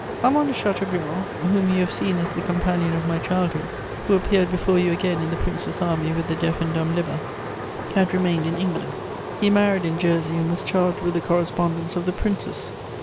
* Armand de Chateaubriand, whom you have seen as the companion of my childhood, who appeared before you again in the Princes' Army with the deaf and dumb Libba, had remained in England. He married in Jersey, and was charged with the correspondence of the Princes.